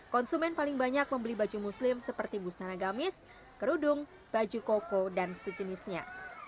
konsumen paling banyak membeli baju muslim seperti busana gamis kerudung baju koko dan sejenisnya